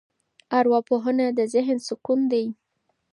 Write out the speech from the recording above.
ارواپوهنه د ذهن سکون دی.